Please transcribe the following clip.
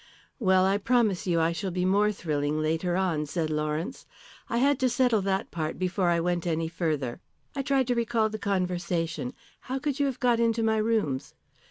"Well, I promise you I shall be more thrilling later on," said Lawrence. "I had to settle that part before I went any further. I tried to recall the conversation. How could you have got into my rooms?